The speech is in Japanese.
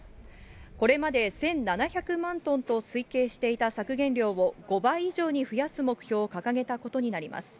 これまで１７００万トンと推計していた削減量を５倍以上に増やす目標を掲げたことになります。